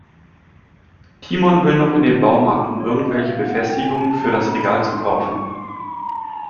Timon will noch in den Baumarkt, um irgendwelche Befestigungen für das Regal zu kaufen.